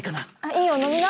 いいよ飲みな。